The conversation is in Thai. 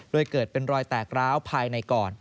โดยเกิดเป็นรอยแตกร้าวภายในก่อน